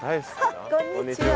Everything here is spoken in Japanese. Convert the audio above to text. こんにちは。